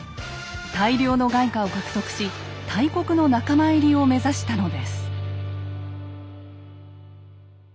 大量の外貨を獲得し大国の仲間入りを目指したのです。